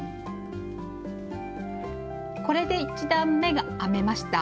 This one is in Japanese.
これで１段めが編めました。